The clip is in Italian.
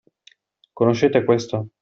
Conoscete questo?